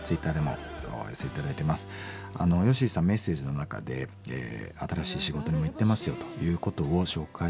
メッセージの中で新しい仕事にも行ってますよということを紹介しました。